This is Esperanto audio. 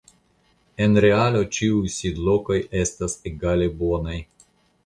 En realo ĉiuj sidlokoj estas egale bonaj.